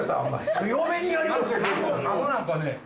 強めにやります。